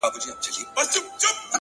خو د نوکانو په سرونو کي به ځان ووينم!!